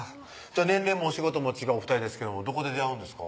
年齢もお仕事も違うお２人ですがどこで出会うんですか？